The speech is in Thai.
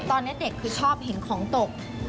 ตอนนี้เด็กคือชอบเห็นของตก